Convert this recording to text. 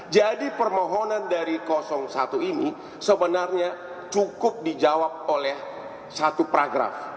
jadi permohonan dari satu ini sebenarnya cukup dijawab oleh satu paragraf